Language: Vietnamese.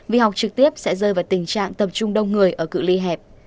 vì học trực tiếp sẽ rơi vào tình trạng tầm trung đông người ở cựu ly hẹp